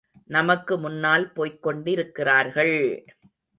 நமக்கு முன்னால் போய்க் கொண்டிருக்கிறார்கள்!